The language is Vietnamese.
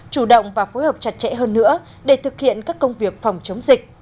chủ động và phối hợp chặt chẽ hơn nữa để thực hiện các công việc phòng chống dịch